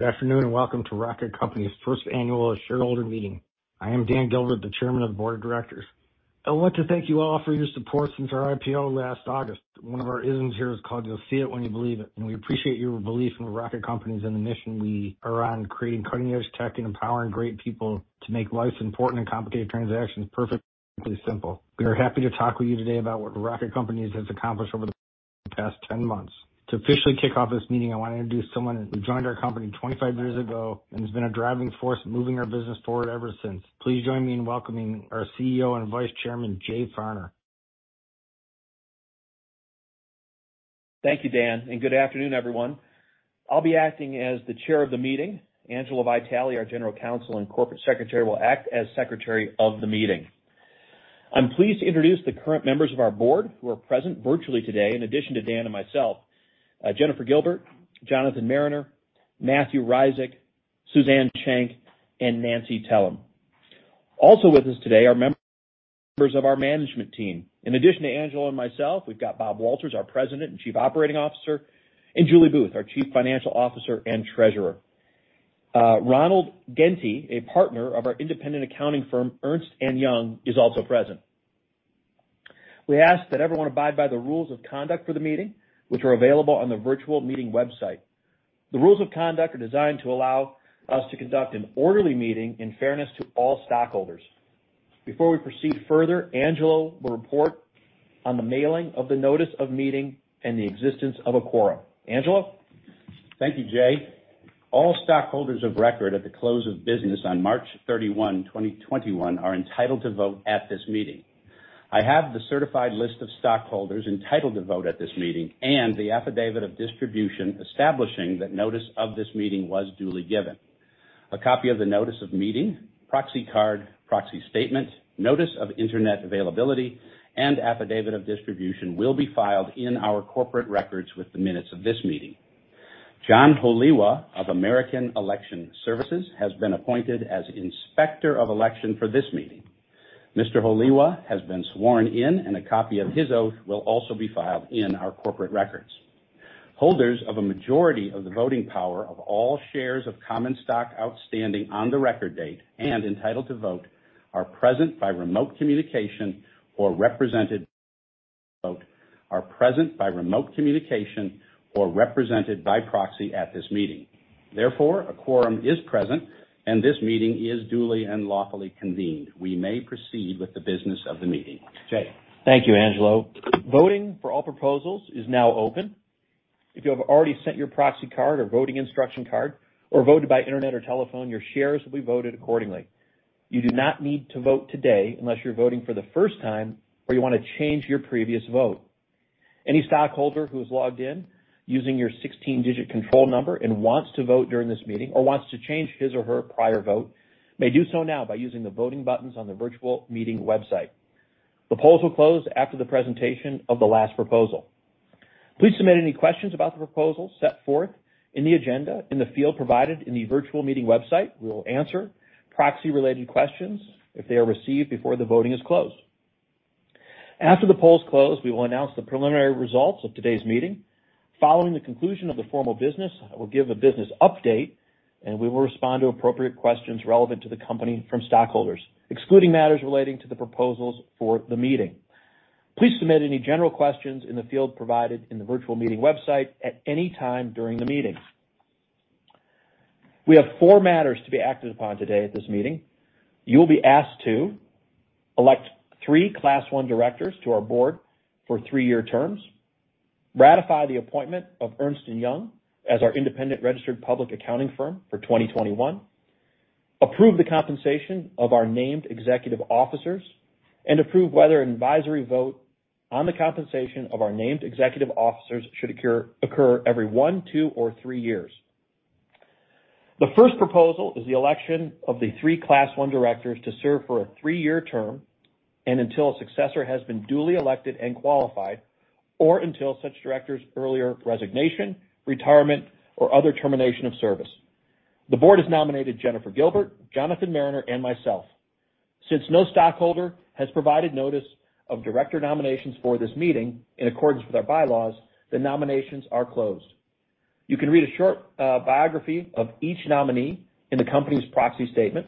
Good afternoon. Welcome to Rocket Companies' First Annual Shareholder Meeting. I am Dan Gilbert, the Chairman of the Board of Directors. I want to thank you all for your support since our IPO last August. One of our ISMs here is called, "You'll see it when you believe it." We appreciate your belief in Rocket Companies and the mission around creating, protecting, and empowering great people to make life's important and complicated transactions perfectly simple. We are happy to talk with you today about what Rocket Companies has accomplished over the past 10 months. To officially kick off this meeting, I want to introduce someone who joined our company 25 years ago and has been a driving force moving our business forward ever since. Please join me in welcoming our Chief Executive Officer and Vice Chairman, Jay Farner. Thank you, Dan. Good afternoon, everyone. I'll be acting as the chair of the meeting. Angelo Vitale, our General Counsel and Corporate Secretary, will act as secretary of the meeting. I'm pleased to introduce the current members of our board who are present virtually today. In addition to Dan and myself, Jennifer Gilbert, Jonathan Mariner, Matthew Rizik, Suzanne Shank, and Nancy Tellem. Also with us today are members of our management team. In addition to Angelo and myself, we've got Bob Walters, our President and Chief Operating Officer, and Julie Booth, our Chief Financial Officer and Treasurer. Ronald Genty, a partner of our independent accounting firm, Ernst & Young, is also present. We ask that everyone abide by the rules of conduct for the meeting, which are available on the virtual meeting website. The rules of conduct are designed to allow us to conduct an orderly meeting in fairness to all stockholders. Before we proceed further, Angelo will report on the mailing of the notice of meeting and the existence of a quorum. Angelo? Thank you, Jay. All stockholders of record at the close of business on March 31, 2021, are entitled to vote at this meeting. I have the certified list of stockholders entitled to vote at this meeting and the affidavit of distribution establishing that notice of this meeting was duly given. A copy of the notice of meeting, proxy card, proxy statement, notice of Internet availability, and affidavit of distribution will be filed in our corporate records with the minutes of this meeting. John Holewa of American Election Services, LLC has been appointed as Inspector of Election for this meeting. Mr. Holewa has been sworn in, and a copy of his oath will also be filed in our corporate records. Holders of a majority of the voting power of all shares of common stock outstanding on the record date and entitled to vote are present by remote communication or represented by proxy at this meeting. Therefore, a quorum is present, and this meeting is duly and lawfully convened. We may proceed with the business of the meeting. Jay. Thank you, Angelo. Voting for all proposals is now open. If you have already sent your proxy card or voting instruction card, or voted by internet or telephone, your shares will be voted accordingly. You do not need to vote today unless you're voting for the first time or you want to change your previous vote. Any stockholder who has logged in using your 16-digit control number and wants to vote during this meeting or wants to change his or her prior vote, may do so now by using the voting buttons on the virtual meeting website. The polls will close after the presentation of the last proposal. Please submit any questions about the proposals set forth in the agenda in the field provided in the virtual meeting website. We will answer proxy-related questions if they are received before the voting is closed. After the polls close, we will announce the preliminary results of today's meeting. Following the conclusion of the formal business, I will give a business update, and we will respond to appropriate questions relevant to the company from stockholders, excluding matters relating to the proposals for the meeting. Please submit any general questions in the field provided in the virtual meeting website at any time during the meeting. We have four matters to be acted upon today at this meeting. You'll be asked to elect three Class I directors to our board for three-year terms, ratify the appointment of Ernst & Young as our independent registered public accounting firm for 2021, approve the compensation of our named executive officers, and approve whether an advisory vote on the compensation of our named executive officers should occur every one, two, or three years. The first proposal is the election of the three Class I directors to serve for a three-year term and until a successor has been duly elected and qualified, or until such director's earlier resignation, retirement, or other termination of service. The board has nominated Jennifer Gilbert, Jonathan Mariner, and myself. Since no stockholder has provided notice of director nominations for this meeting in accordance with our bylaws, the nominations are closed. You can read a short biography of each nominee in the company's proxy statement.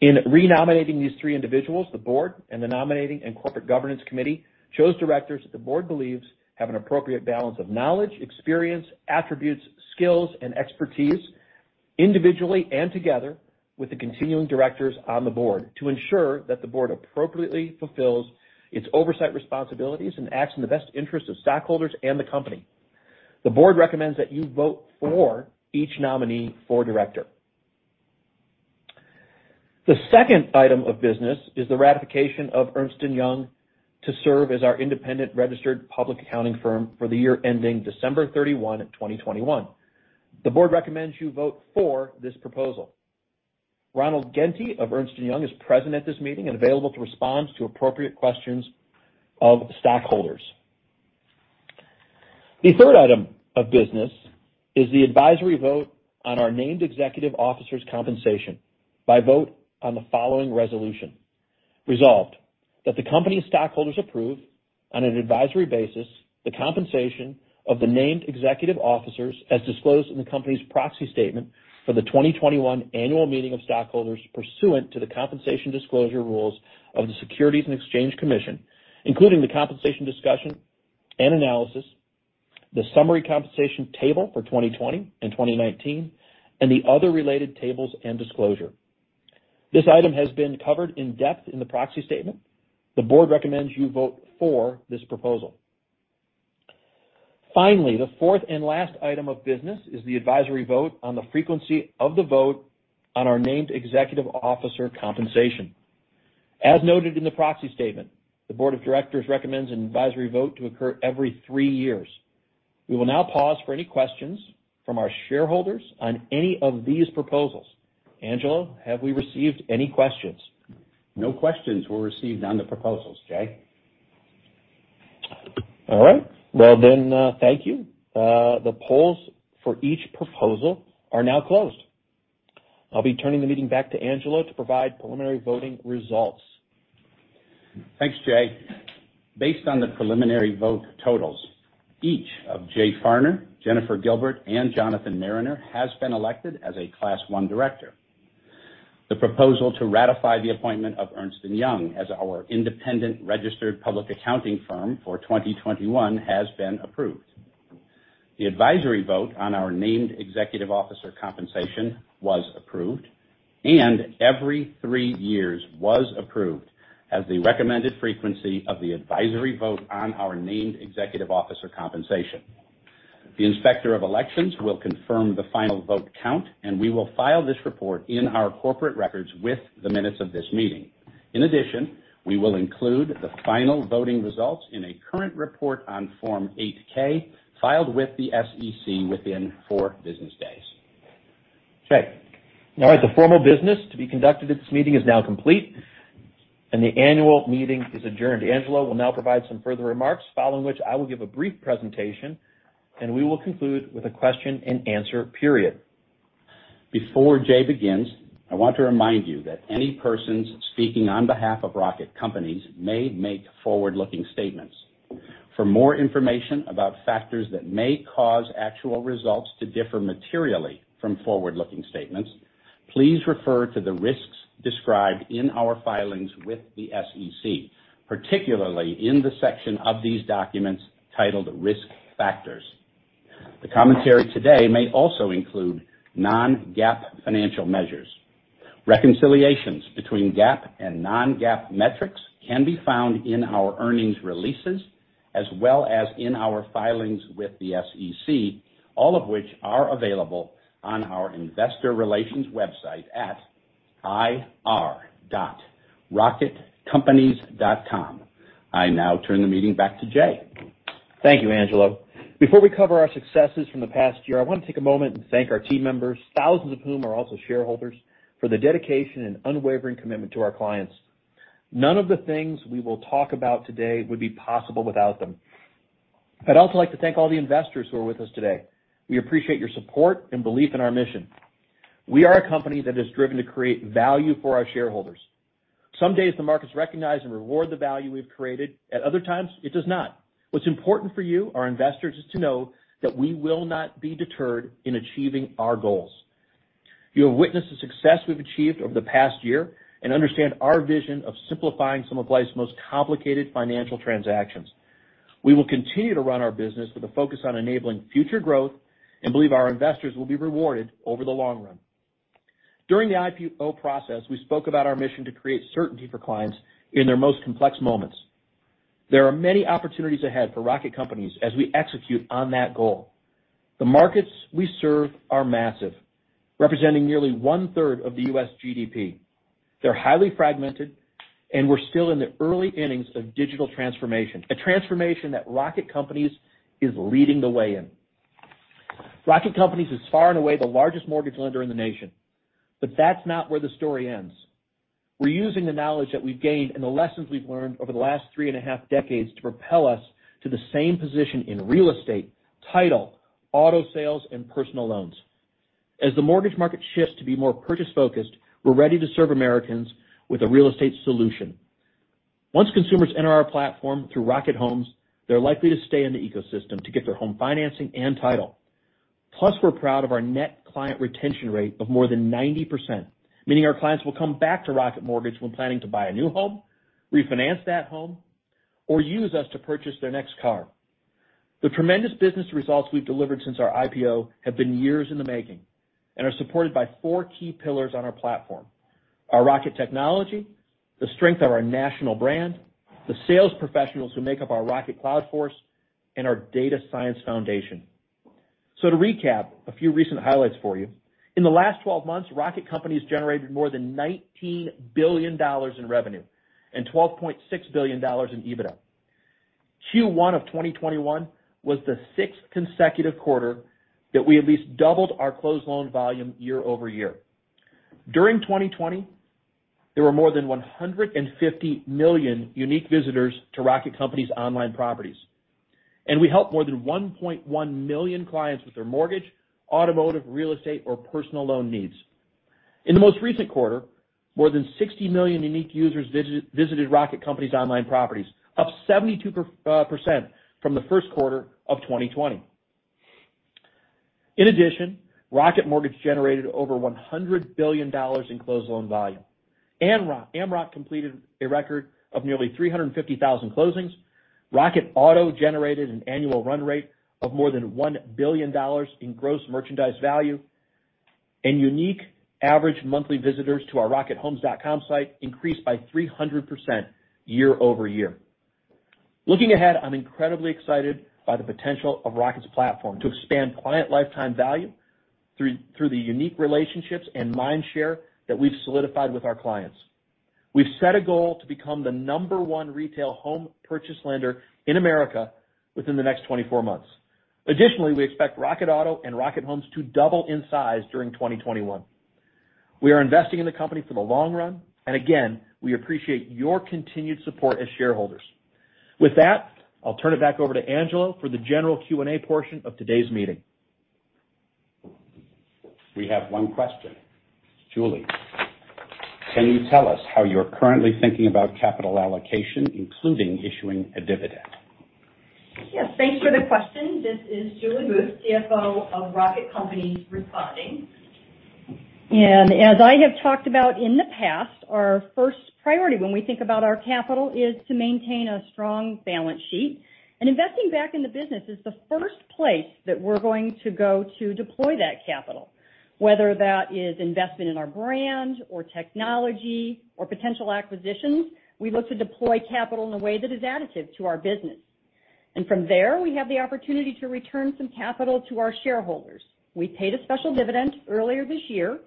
In re-nominating these three individuals, the board and the Nominating and Corporate Governance Committee chose directors that the board believes have an appropriate balance of knowledge, experience, attributes, skills, and expertise individually and together with the continuing directors on the board to ensure that the board appropriately fulfills its oversight responsibilities and acts in the best interest of stockholders and the company. The board recommends that you vote for each nominee for director. The second item of business is the ratification of Ernst & Young to serve as our independent registered public accounting firm for the year ending December 31, 2021. The board recommends you vote for this proposal. Ronald Genty of Ernst & Young is present at this meeting and available to respond to appropriate questions of stockholders. The third item of business is the advisory vote on our named executive officers' compensation by vote on the following resolution. Resolved that the company stockholders approve on an advisory basis the compensation of the named executive officers as disclosed in the company's proxy statement for the 2021 annual meeting of stockholders pursuant to the compensation disclosure rules of the Securities and Exchange Commission, including the compensation discussion and analysis, the summary compensation table for 2020 and 2019, and the other related tables and disclosure. This item has been covered in depth in the proxy statement. The board recommends you vote for this proposal. The fourth and last item of business is the advisory vote on the frequency of the vote on our named executive officer compensation. As noted in the proxy statement, the board of directors recommends an advisory vote to occur every three years. We will now pause for any questions from our shareholders on any of these proposals. Angelo, have we received any questions? No questions were received on the proposals, Jay. All right. Well, thank you. The polls for each proposal are now closed. I'll be turning the meeting back to Angelo to provide preliminary voting results. Thanks, Jay. Based on the preliminary vote totals, each of Jay Farner, Jennifer Gilbert, and Jonathan Mariner has been elected as a Class I director. The proposal to ratify the appointment of Ernst & Young as our independent registered public accounting firm for 2021 has been approved. The advisory vote on our named executive officer compensation was approved, and every three years was approved as the recommended frequency of the advisory vote on our named executive officer compensation. The Inspector of Election will confirm the final vote count, and we will file this report in our corporate records with the minutes of this meeting. In addition, we will include the final voting results in a current report on Form 8-K filed with the SEC within four business days. All right. The formal business to be conducted at this meeting is now complete, and the annual meeting is adjourned. Angelo will now provide some further remarks, following which I will give a brief presentation, and we will conclude with a question and answer period. Before Jay begins, I want to remind you that any persons speaking on behalf of Rocket Companies may make forward-looking statements. For more information about factors that may cause actual results to differ materially from forward-looking statements, please refer to the risks described in our filings with the SEC, particularly in the section of these documents titled Risk Factors. The commentary today may also include non-GAAP financial measures. Reconciliations between GAAP and non-GAAP metrics can be found in our earnings releases as well as in our filings with the SEC, all of which are available on our investor relations website at ir.rocketcompanies.com. I now turn the meeting back to Jay. Thank you, Angelo. Before we cover our successes from the past year, I want to take a moment and thank our team members, thousands of whom are also shareholders, for the dedication and unwavering commitment to our clients. None of the things we will talk about today would be possible without them. I'd also like to thank all the investors who are with us today. We appreciate your support and belief in our mission. We are a company that is driven to create value for our shareholders. Some days the markets recognize and reward the value we've created. At other times, it does not. What's important for you, our investors, is to know that we will not be deterred in achieving our goals. You have witnessed the success we've achieved over the past year and understand our vision of simplifying some of life's most complicated financial transactions. We will continue to run our business with a focus on enabling future growth and believe our investors will be rewarded over the long run. During the IPO process, we spoke about our mission to create certainty for clients in their most complex moments. There are many opportunities ahead for Rocket Companies as we execute on that goal. The markets we serve are massive, representing nearly one-third of the U.S. GDP. They're highly fragmented, and we're still in the early innings of digital transformation, a transformation that Rocket Companies is leading the way in. Rocket Companies is far and away the largest mortgage lender in the nation, but that's not where the story ends. We're using the knowledge that we've gained and the lessons we've learned over the last three and a half decades to propel us to the same position in real estate, title, auto sales, and personal loans. As the mortgage market shifts to be more purchase-focused, we're ready to serve Americans with a real estate solution. Once consumers enter our platform through Rocket Homes, they're likely to stay in the ecosystem to get their home financing and title. Plus, we're proud of our net client retention rate of more than 90%, meaning our clients will come back to Rocket Mortgage when planning to buy a new home, refinance that home, or use us to purchase their next car. The tremendous business results we've delivered since our IPO have been years in the making and are supported by four key pillars on our platform: our Rocket technology, the strength of our national brand, the sales professionals who make up our Rocket Cloud Force, and our data science foundation. To recap, a few recent highlights for you. In the last 12 months, Rocket Companies generated more than $19 billion in revenue and $12.6 billion in EBITDA. Q1 of 2021 was the sixth consecutive quarter that we at least doubled our closed loan volume year-over-year. During 2020, there were more than 150 million unique visitors to Rocket Companies' online properties. We help more than 1.1 million clients with their mortgage, automotive, real estate, or personal loan needs. In the most recent quarter, more than 60 million unique users visited Rocket Companies' online properties, up 72% from the first quarter of 2020. In addition, Rocket Mortgage generated over $100 billion in closed loan volume. Amrock completed a record of nearly 350,000 closings. Rocket Auto generated an annual run rate of more than $1 billion in gross merchandise value, unique average monthly visitors to our rockethomes.com site increased by 300% year-over-year. Looking ahead, I'm incredibly excited by the potential of Rocket's platform to expand client lifetime value through the unique relationships and mind share that we've solidified with our clients. We've set a goal to become the number one retail home purchase lender in America within the next 24 months. Additionally, we expect Rocket Auto and Rocket Homes to double in size during 2021. We are investing in the company for the long run, and again, we appreciate your continued support as shareholders. With that, I'll turn it back over to Angelo for the general Q&A portion of today's meeting. We have one question. Julie, can you tell us how you're currently thinking about capital allocation, including issuing a dividend? Yeah. Thanks for the question. This is Julie Booth, CFO of Rocket Companies, responding. As I have talked about in the past, our first priority when we think about our capital is to maintain a strong balance sheet. Investing back in the business is the first place that we're going to go to deploy that capital, whether that is investing in our brand or technology or potential acquisitions. We look to deploy capital in a way that is additive to our business. From there, we have the opportunity to return some capital to our shareholders. We paid a special dividend earlier this year,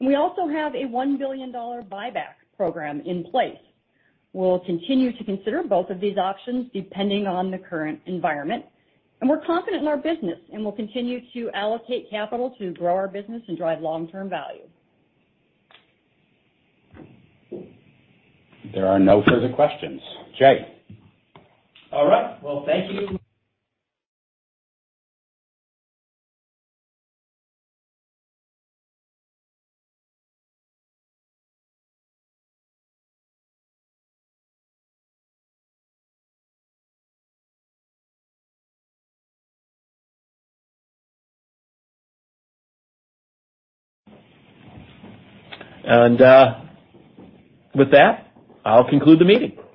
and we also have a $1 billion buyback program in place. We'll continue to consider both of these options depending on the current environment. We're confident in our business, and we'll continue to allocate capital to grow our business and drive long-term value. There are no further questions. Jay. All right. Well, thank you. With that, I'll conclude the meeting.